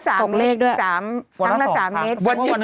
คอร์สนึงก็ครั้งละสามเมตร